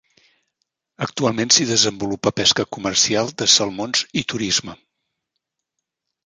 Actualment s'hi desenvolupa pesca comercial de salmons i turisme.